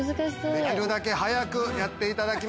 できるだけ早くやっていただきます。